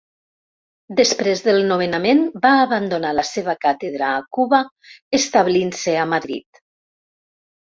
Després del nomenament va abandonar la seva càtedra a Cuba, establint-se a Madrid.